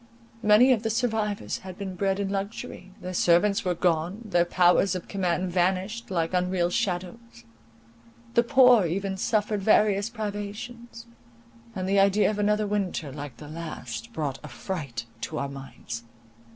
Many of the survivors had been bred in luxury—their servants were gone, their powers of command vanished like unreal shadows: the poor even suffered various privations; and the idea of another winter like the last, brought affright to our minds.